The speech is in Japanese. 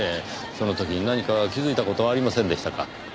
その時何か気づいた事はありませんでしたか？